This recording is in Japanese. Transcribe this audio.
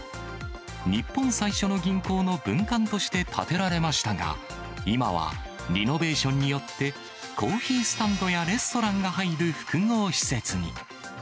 日本最初の銀行の分館として建てられましたが、今はリノベーションによって、コーヒースタンドやレストランが入る複合施設に。